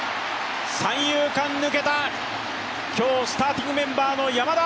三遊間抜けた、今日、スターティングメンバーの山田。